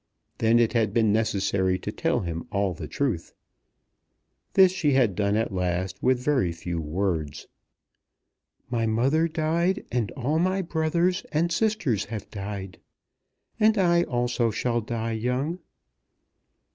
Then it had been necessary to tell him all the truth. This she had done at last with very few words. "My mother died; and all my brothers and sisters have died. And I also shall die young."